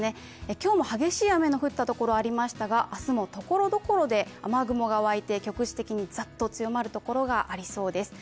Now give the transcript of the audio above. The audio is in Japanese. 今日も激しい雨の降ったところありましたが、明日もところどころで雨雲が湧いて局地的にザッと強まるところがありそうです。